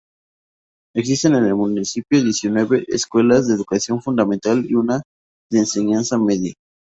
Existen en el municipio diecinueve escuelas de educación fundamental y una de enseñanza media.